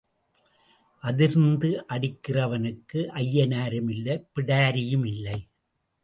அதிர்ந்து அடிக்கிறவனுக்கு ஐயனாரும் இல்லை பிடாரியும் இல்லை.